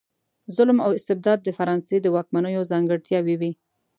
ظلم او استبداد د فرانسې د واکمنیو ځانګړتیاوې وې.